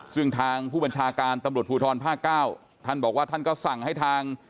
ซึ่งทางผู้บัญชาการตำรวจภูทรภาคเก้าท่านบอกว่าท่านก็สั่งให้ทาง